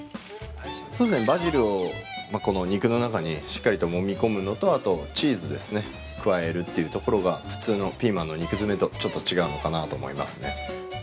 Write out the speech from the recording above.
バジルをこの肉の中にしっかりともみ込むのとチーズですね、加えるっていうところが普通のピーマンの肉詰めとちょっと違うのかなと思いますね。